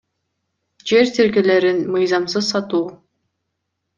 Жер тилкелерин мыйзамсыз сатуу